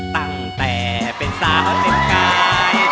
ตั้งแต่เป็นสาวแต่งกาย